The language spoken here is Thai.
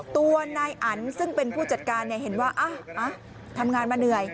ตัวนายอันซึ่งเป็นผู้จัดการเห็นว่าทำงานมาเหนื่อย